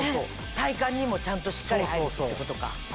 体幹にもちゃんとしっかり入るってことか。